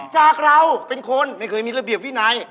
จากเราเป็นคนไม่เคยมีระเบียบวินัย